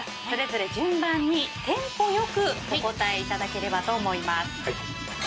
それぞれ順番にテンポ良くお答えいただければと思います。